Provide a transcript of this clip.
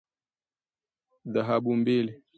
dhahabu mbili